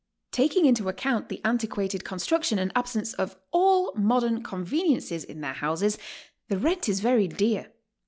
'Taking into account the antiquated con struction and absence of all modern conveniences in their houses, the rent is very dear.